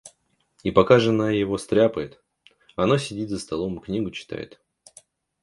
И пока жена его стряпает, оно сидит за столом и книгу читает.